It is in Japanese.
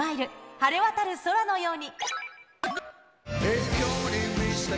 晴れ渡る空のように。